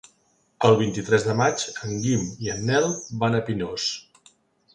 El vint-i-tres de maig en Guim i en Nel van a Pinós.